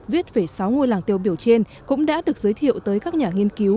viết về sáu ngôi làng tiêu biểu trên cũng đã được giới thiệu tới các nhà nghiên cứu